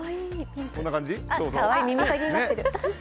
こんな感じ？